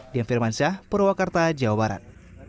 dian firman syah purwakarta jawa barat